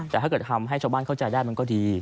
แต่ถ้าเกิดทำให้ชาวบ้านเข้าใจได้มันก็ดี